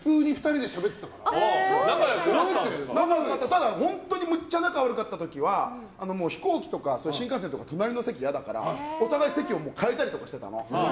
ただ、本当にめっちゃ仲悪かった時は飛行機とか新幹線とか隣の席、嫌だからお互い席を変えたりしてたの。